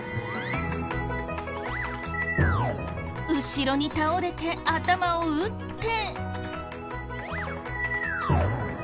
後ろに倒れて頭を打って。